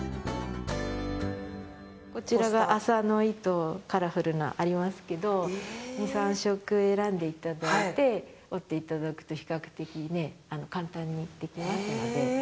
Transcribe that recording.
こちらが麻の糸カラフルな、ありますけど２３色選んでいただいて織っていただくと比較的簡単にできますので。